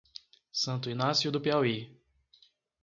Santo Inácio do Piauí